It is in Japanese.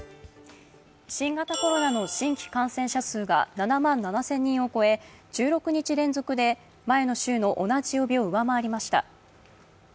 新型コロナの新規感染者数が７万７０００人を超え１６日連続で前の週の同じ曜日を上回りました。